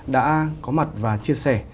đã có mặt và chia sẻ